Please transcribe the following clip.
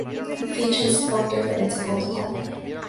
Ficha en Sport-reference.com